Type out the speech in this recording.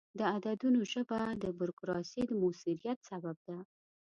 د عددونو ژبه د بروکراسي د موثریت سبب ده.